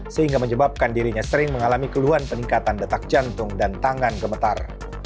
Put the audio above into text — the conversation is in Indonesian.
sehingga menyebabkan dirinya sering mengalami keluhan peningkatan detak jantung dan tangan gemetar